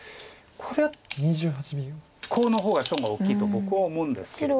これはコウの方が損が大きいと僕は思うんですけれども。